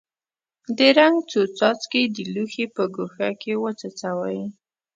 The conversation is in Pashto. د رنګ څو څاڅکي د لوښي په ګوښه کې وڅڅوئ.